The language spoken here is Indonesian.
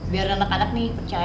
biar anak anak nih percaya